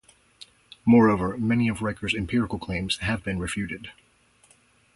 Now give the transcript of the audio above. Moreover, many of Riker's empirical claims have been refuted.